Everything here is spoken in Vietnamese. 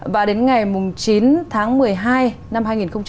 và đến ngày chín tháng một mươi hai năm hai nghìn một mươi ba